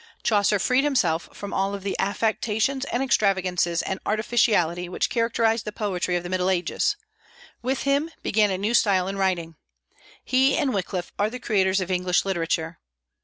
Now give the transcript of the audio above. Chaucer freed himself from all the affectations and extravagances and artificiality which characterized the poetry of the Middle Ages. With him began a new style in writing. He and Wyclif are the creators of English literature.